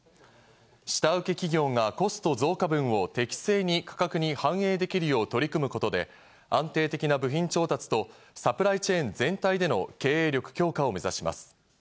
下請け企業がコスト増加分を適正に価格に反映できるよう取り組むことで、安定的な部品調達とサプライチェーン全体での経営力強化を目指します。